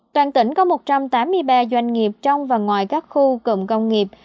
toàn tỉnh có một trăm tám mươi ba doanh nghiệp trong và ngoài các khu cụm công nghiệp